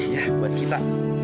ya buat kita